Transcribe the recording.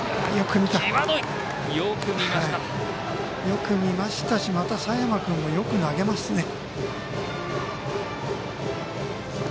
よく見ましたし、佐山君もよく投げますね。